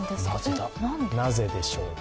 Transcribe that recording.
なぜでしょうか。